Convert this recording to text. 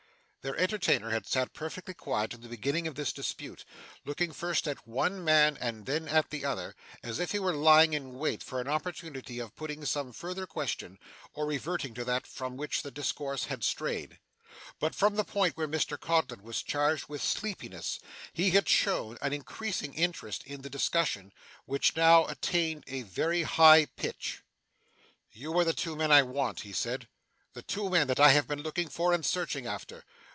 Their entertainer had sat perfectly quiet in the beginning of this dispute, looking first at one man and then at the other, as if he were lying in wait for an opportunity of putting some further question, or reverting to that from which the discourse had strayed. But, from the point where Mr Codlin was charged with sleepiness, he had shown an increasing interest in the discussion: which now attained a very high pitch. 'You are the two men I want,' he said, 'the two men I have been looking for, and searching after!